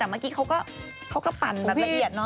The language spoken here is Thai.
แต่เมื่อกี้เขาก็ปั่นแบบละเอียดเนอ